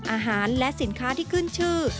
อาหารและสินค้าที่ขึ้นชื่อ